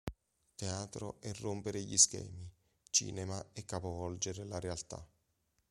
Teatro è rompere gli schemi, cinema è capovolgere la realtà".